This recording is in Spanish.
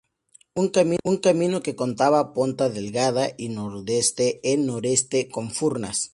Un camino que conecta Ponta Delgada y Nordeste en noroeste con Furnas.